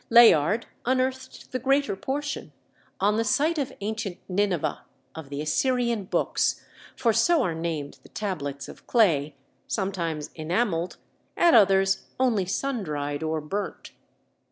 Layard unearthed the greater portion, on the site of ancient Nineveh, of the Assyrian "books" (for so are named the tablets of clay, sometimes enamelled, at others only sun dried or burnt).